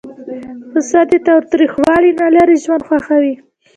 پسه د تاوتریخوالي نه لیرې ژوند خوښوي.